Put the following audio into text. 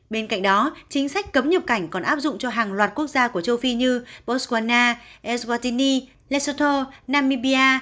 bên cạnh đó chính sách cấm nhập cảnh còn áp dụng cho hàng loạt quốc gia của châu phi như botswana elswattini lesoto namibia